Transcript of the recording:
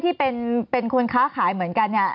ที่เป็นคนค้าขายเหมือนกันเนี่ย